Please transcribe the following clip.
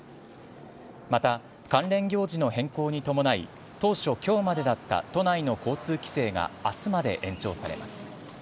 また、関連行事の変更に伴い、当初、きょうまでだった都内の交通規制があすまで延長されます。